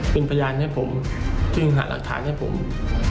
เป็นพยานให้ผมหากหาหรักฐานให้ผมครับ